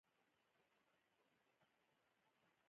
که زما څخه نفرت لرئ نو ستاسو په ذهن کې به وم.